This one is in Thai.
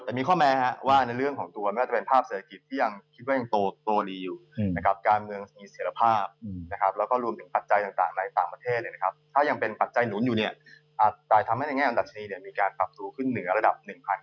แต่มีข้อแม้ว่าในเรื่องของตัวไม่ว่าจะเป็นภาพเศรษฐกิจที่ยังคิดว่ายังโตรีอยู่นะครับ